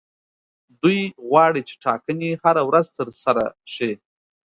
دوی غواړي چې ټاکنې هره ورځ ترسره شي.